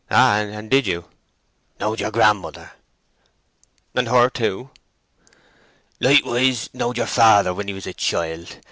"Ah—and did you!" "Knowed yer grandmother." "And her too!" "Likewise knowed yer father when he was a child.